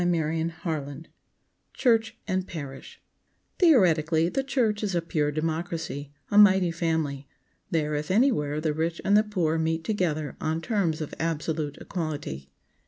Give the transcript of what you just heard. CHAPTER XXXIII CHURCH AND PARISH THEORETICALLY, the church is a pure democracy, a mighty family. There, if anywhere, the rich and the poor meet together on terms of absolute equality.